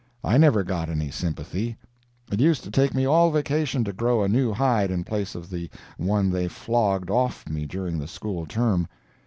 I never got any sympathy. It used to take me all vacation to grow a new hide in place of the one they flogged off me during the school term.